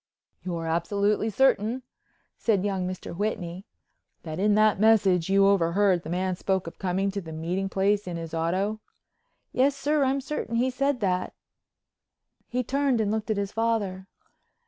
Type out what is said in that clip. "You're absolutely certain," said young Mr. Whitney, "that in that message you overheard, the man spoke of coming to the meeting place in his auto?" "Yes, sir, I'm certain he said that." He turned and looked at his father.